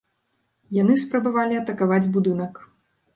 Яны спрабавалі атакаваць будынак.